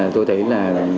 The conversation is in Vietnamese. tôi thấy là